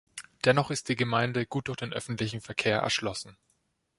Dennoch ist die Gemeinde gut durch den Öffentlichen Verkehr erschlossen.